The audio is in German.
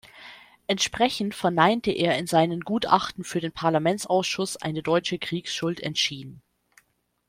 Entsprechend verneinte er in seinen Gutachten für den Parlamentsausschuss eine deutsche Kriegsschuld entschieden.